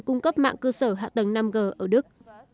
cung cấp mạng cơ sở hạ tầng năm g ở đức